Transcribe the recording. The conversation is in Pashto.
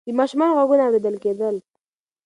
د ماشومانو غږونه اورېدل کېدل.